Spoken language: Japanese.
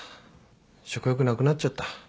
食欲なくなっちゃった。